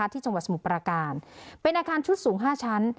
จังหวัดสมุทรประการเป็นอาคารชุดสูง๕ชั้น